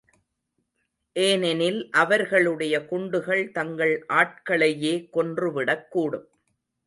ஏனெனில் அவர்களுடைய குண்டுகள் தங்கள் ஆட்களையே கொன்று விடக்கூடும்.